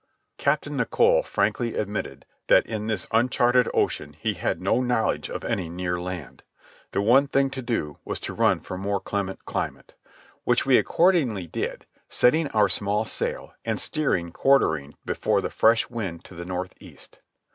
Captain Nicholl frankly admitted that in this uncharted ocean he had no knowledge of any near land. The one thing to do was to run for more clement climate, which we accordingly did, setting our small sail and steering quartering before the fresh wind to the north east.